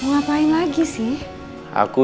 gak mak ska